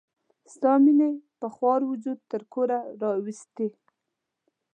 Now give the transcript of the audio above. ستا مینې په خوار وجود تر کوره راوستي.